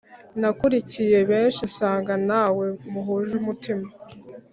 nakurikiye benshi nsanga ntawe muhuje umutima